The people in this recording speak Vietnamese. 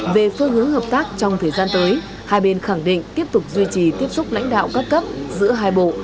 về phương hướng hợp tác trong thời gian tới hai bên khẳng định tiếp tục duy trì tiếp xúc lãnh đạo cấp cấp giữa hai bộ